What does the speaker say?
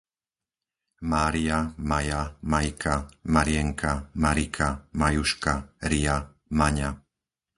Mária, Maja, Majka, Marienka, Marika, Majuška, Ria, Maňa